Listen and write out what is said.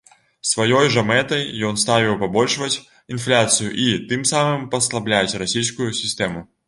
Сваёй жа мэтай ён ставіў пабольшваць інфляцыю і тым самым паслабляць расійскую сістэму.